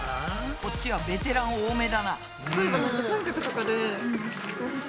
こっちはベテラン多めだな。